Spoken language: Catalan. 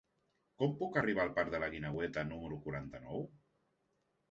Com puc arribar al parc de la Guineueta número quaranta-nou?